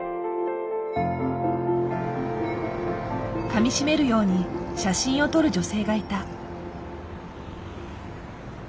かみしめるように写真を撮る女性がいた。